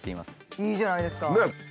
いいじゃないですか。